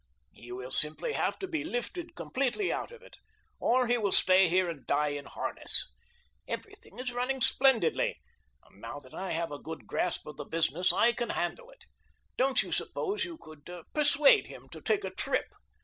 "He will simply have to be lifted completely out of it, or he will stay here and die in the harness. Everything is running splendidly, and now that I have a good grasp of the business I can handle it. Don't you suppose you could persuade him to take a trip?